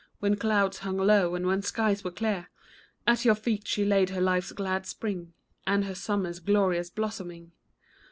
When clouds hung low and when skies were clear ; At your feet she laid her life's glad spring, And her summer's glorious blossoming.